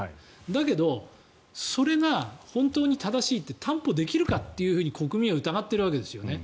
だけど、それが本当に正しいって担保できるかって国民は疑ってるわけですね。